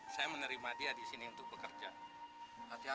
sampai jumpa di video selanjutnya